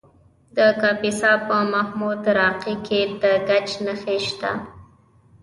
د کاپیسا په محمود راقي کې د ګچ نښې شته.